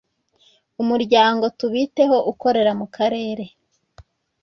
umuryango tubiteho ukorera mu karere